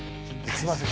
すみません